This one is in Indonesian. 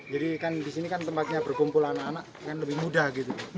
jadi kan di sini kan tempatnya berkumpul anak anak kan lebih mudah gitu